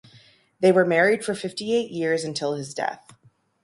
They were married for fifty-eight years, until his death.